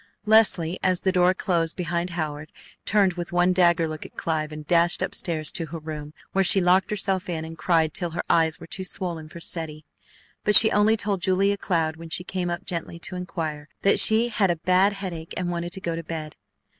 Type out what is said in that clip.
Leslie, as the door closed behind Howard, turned with one dagger look at Clive, and dashed up stairs to her room, where she locked herself in and cried till her eyes were too swollen for study; but she only told Julia Cloud, when she came up gently to inquire, that she had a bad headache and wanted to go to bed.